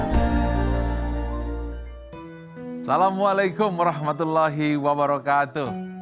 assalamualaikum warahmatullahi wabarakatuh